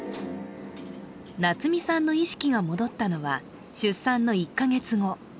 夏美さんの意識が戻ったのは出産の１か月後。